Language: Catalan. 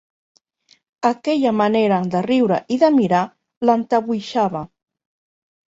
Aquella manera de riure i de mirar l'entabuixava.